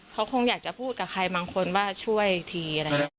เขาคงอยากจะพูดกับใครบางคนว่าช่วยที